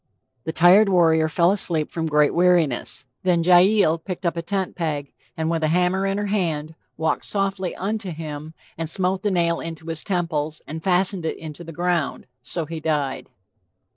The tired warrior fell asleep from great weariness. Then Jael picked a tent peg and with a hammer in her hand "walked softly unto him, and smote the nail into his temples, and fastened it into the ground...So he died."